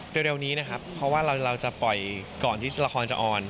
เพราะว่าเราจะปล่อยก่อนที่ละครจะอ่อน